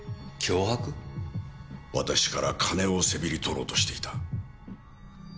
私から金をせびり取ろうとしていた。